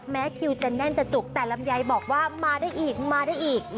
คิวจะแน่นจะจุกแต่ลำไยบอกว่ามาได้อีกมาได้อีก